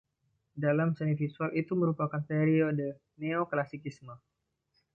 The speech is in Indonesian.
Dalam seni visual, itu merupakan periode Neoklasikisme.